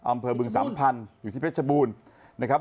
บึงสามพันธุ์อยู่ที่เพชรบูรณ์นะครับ